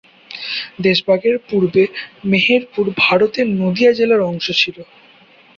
দেশভাগের পূর্বে মেহেরপুর ভারতের নদীয়া জেলার অংশ ছিল।